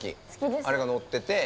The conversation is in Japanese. あれがのってて。